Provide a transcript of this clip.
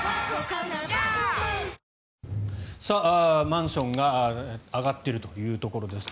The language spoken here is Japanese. マンションが上がっているというところです。